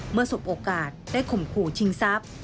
สบโอกาสได้ข่มขู่ชิงทรัพย์